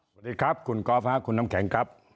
สวัสดีครับคุณกอล์ฟค่ะคุณน้ำแข็งครับ